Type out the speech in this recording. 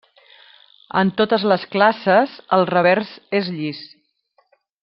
En totes les classes el revers és llis.